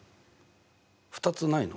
２つないの？